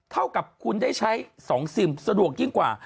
เท่ากับคุณได้ใช้๒ซิมสะดวกยิ่งกว่า